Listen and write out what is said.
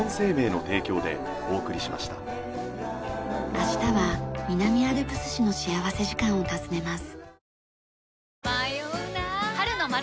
明日は南アルプス市の幸福時間を訪ねます。